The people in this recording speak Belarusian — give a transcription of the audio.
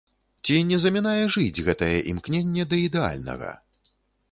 Ці не замінае жыць гэтае імкненне да ідэальнага?